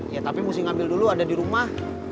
ya tapi mesti ngambil dulu ada di rumah